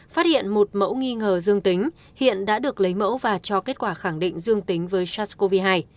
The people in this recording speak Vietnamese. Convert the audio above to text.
phát hiện một mẫu nghi ngờ dương tính hiện đã được lấy mẫu và cho kết quả khẳng định dương tính với sars cov hai